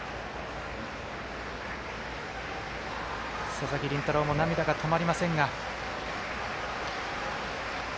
佐々木麟太郎も涙が止まりませんが。